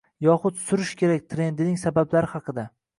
yoxud "Surish kerak" trendining sabablari haqida